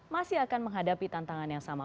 masih akan menghadapi tantangan yang sama